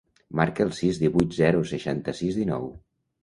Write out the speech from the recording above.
Marca el sis, divuit, zero, seixanta-sis, dinou.